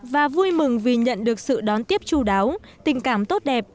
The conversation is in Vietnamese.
và vui mừng vì nhận được sự đón tiếp chú đáo tình cảm tốt đẹp